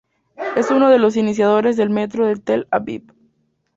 Es uno de los iniciadores del metro de Tel Aviv.